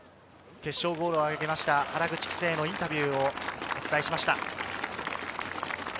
決勝ゴールを挙げた原口玖星のインタビューをお伝えしました。